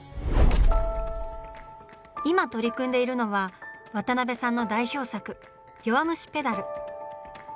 今取り組んでいるのは渡辺さんの代表作「弱虫ペダル」。